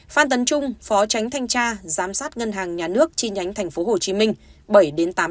phan tấn trung phó tránh thanh tra giám sát ngân hàng nhà nước chi nhánh tp hcm bảy tám